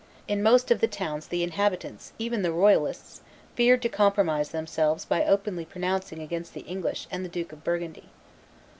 In most of the towns the inhabitants, even the royalists, feared to compromise themselves by openly pronouncing against the English and the Duke of Burgundy.